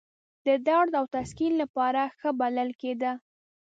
د درد او تسکین لپاره ښه بلل کېده.